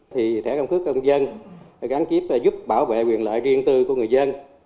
thì thẻ căn cước công dân gắn kiếp giúp bảo vệ quyền lợi riêng tư của người dân